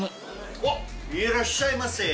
うわっ、いらっしゃいませ。